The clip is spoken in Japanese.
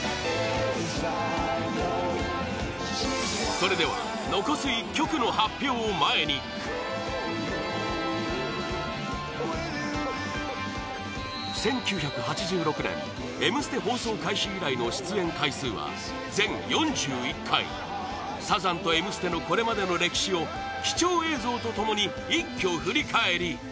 それでは残す１曲の発表を前に１９８６年「Ｍ ステ」放送開始以来の出演回数は全４１回サザンと「Ｍ ステ」のこれまでの歴史を貴重映像と共に一挙振り返り